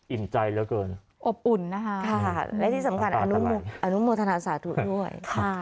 อิ่มใจแล้วเกินอบอุ่นและที่สำคัญอนุมูธนาศาสตร์ด้วย